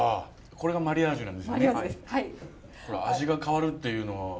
これ味が変わるっていうのは。